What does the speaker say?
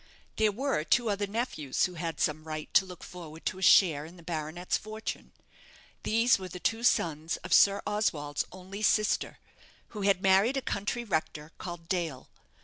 There were two other nephews who had some right to look forward to a share in the baronet's fortune. These were the two sons of Sir Oswald's only sister, who had married a country rector, called Dale.